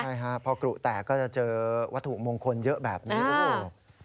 ใช่ครับพอกรุแตกก็จะเจอวัตถุมงคลเยอะแบบนี้โอ้โห